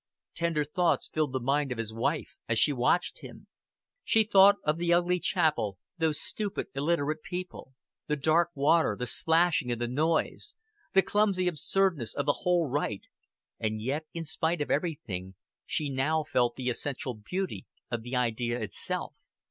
Tender thoughts filled the mind of his wife as she watched him. She thought of the ugly chapel, those stupid illiterate people, the dark water, the splashing and the noise; the clumsy absurdness of the whole rite; and yet, in spite of everything, she now felt the essential beauty of the idea itself.